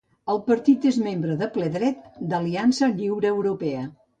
El partit és membre de ple dret de l'Aliança Lliure Europea.